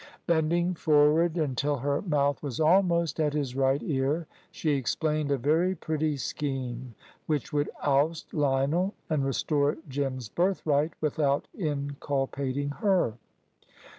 Bending forward, until her mouth was almost at his right ear, she explained a very pretty scheme, which would oust Lionel and restore Jim's birthright, without inculpating her.